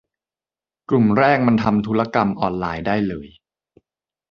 กลุ่มแรกมันทำธุรกรรมอออไลน์ได้เลย